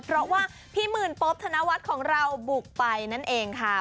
เพราะว่าพี่หมื่นโป๊บธนวัฒน์ของเราบุกไปนั่นเองค่ะ